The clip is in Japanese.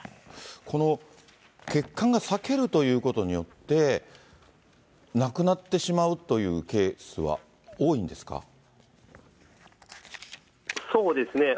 この血管が裂けるということによって、亡くなってしまうというケースは多いんですか。